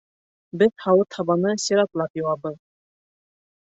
Беҙ һауыт-һабаны сиратлап йыуабыҙ